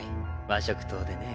和食党でね。